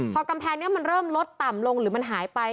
พอกำแพงนี้มันเริ่มลดต่ำลงหรือมันหายไป